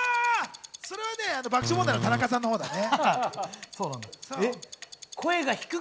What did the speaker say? それは爆笑問題の田中さんのほうだね。